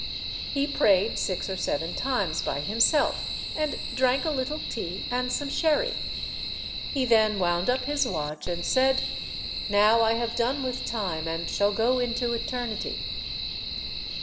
He prayed six or seven times by himself, and drank a little tea and some sherry. He then wound up his watch, and said, "Now I have done with time and shall go into eternity."